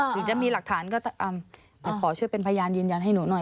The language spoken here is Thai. หรือจะมีหลักฐานก็แต่ขอเชื่อเป็นพยานยืนยันให้หนูหน่อย